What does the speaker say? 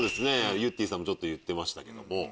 ゆってぃさんもちょっと言ってましたけども。